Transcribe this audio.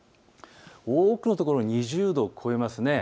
多くの所、２０度を超えます。